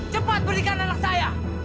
cepat berikan anak saya